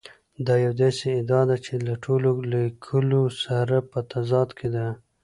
دا یوه داسې ادعا ده چې له ټولو لیکونو سره په تضاد کې ده.